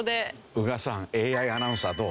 宇賀さんＡＩアナウンサーどう？